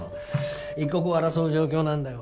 一刻を争う状況なんだよ。